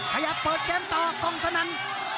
ขยับเปิดเก็มต่อกองสนาน